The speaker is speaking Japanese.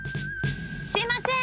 すいません！